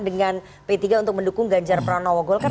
dengan p tiga untuk mendukung ganjar pranowo golkar